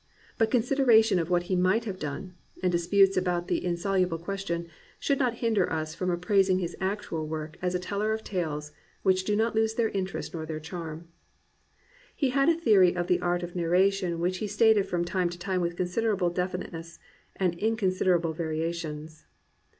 But considerations of what he might have done, (and disputes about the in soluble question,) should not hinder us from ap praising his actual work as a teller of tales which do not lose their interest nor their charm. He had a theory of the art of narration which he stated from time to time with considerable definite ness and inconsiderable variations.